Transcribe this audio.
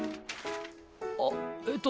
あっえっと